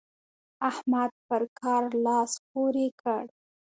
احمد پر کار لاس پورې کړ.